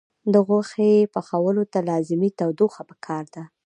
د غوښې پخولو ته لازمي تودوخه پکار ده.